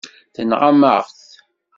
Tenɣam-aɣ-t.